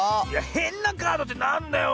へんなカードってなんだよ。